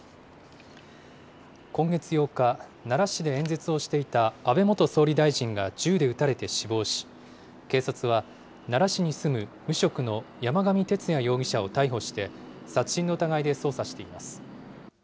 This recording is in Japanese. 今月８日、奈良市で演説をしていた安倍元総理大臣が銃で撃たれて死亡し、警察は奈良市に住む無職の山上徹也容疑者を逮捕して、殺人の疑いで捜査しています。